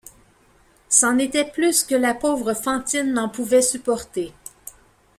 C’en était plus que la pauvre Fantine n’en pouvait supporter.